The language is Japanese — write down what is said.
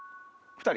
２人。